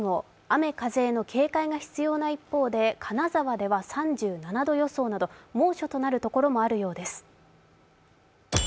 雨・風への警戒が必要な一方で、金沢では３７度予想など猛暑となる所もあるようです。